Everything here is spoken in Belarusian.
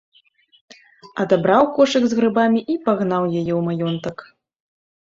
Адабраў кошык з грыбамі і пагнаў яе ў маёнтак.